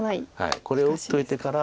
これを打っといてから。